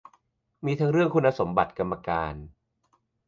มีทั้งเรื่องคุณสมบัติกรรมการ